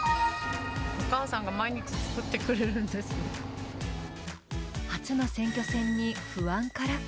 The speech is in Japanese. お母さんが毎日作ってくれる初の選挙戦に不安からか。